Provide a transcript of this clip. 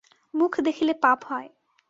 মুখ দেখিলে পাপ হয়!